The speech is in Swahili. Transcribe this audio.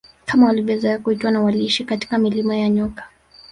Kama walivyozoea kuitwa na waliishi katika milima ya nyoka